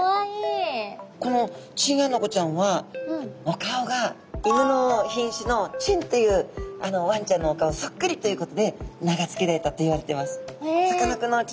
このチンアナゴちゃんはお顔が犬の品種の狆というワンちゃんのお顔そっくりっていうことで名が付けられたといわれてます。